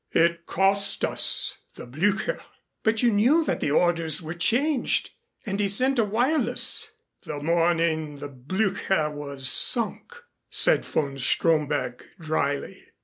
It cost us the Blücher." "But you knew that the orders were changed and he sent a wireless " "The morning the Blücher was sunk," said von Stromberg dryly.